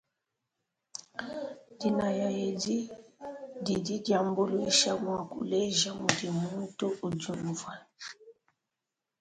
Dinaya edi didi diambuluisha muakuleja mudi muntu udiumva.